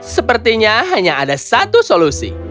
sepertinya hanya ada satu solusi